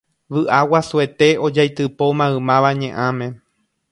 Vy'a guasuete ojaitypo maymáva ñe'ãme.